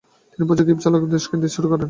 তিনি প্রচুর কিপচাক দাস কিনতে শুরু করেন।